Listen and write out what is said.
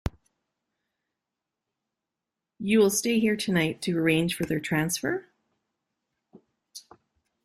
You will stay here tonight to arrange for their transfer?